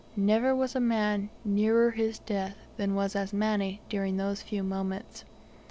Never was a man nearer his death than was Asmani during those few moments.